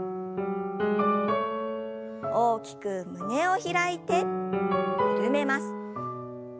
大きく胸を開いて緩めます。